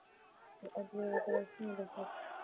د عدلیې وزارت څنګه دفاع کوي؟